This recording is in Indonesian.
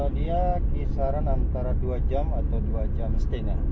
dia kisaran antara dua jam atau dua jam setengah